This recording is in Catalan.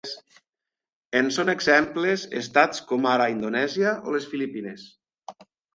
En són exemples estats com ara Indonèsia o les Filipines.